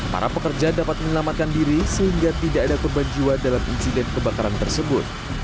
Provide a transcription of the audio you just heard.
para pekerja dapat menyelamatkan diri sehingga tidak ada korban jiwa dalam insiden kebakaran tersebut